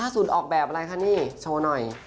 สุดออกแบบอะไรคะนี่โชว์หน่อย